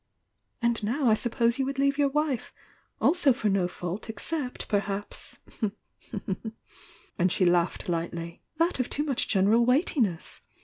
And, now I suppose you would leave your wife,— also for no faults— except perhaps—" and she laughed light ly — "that of too much general weightiness!